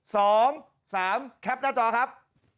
สองสามแคปหน้าจอครับ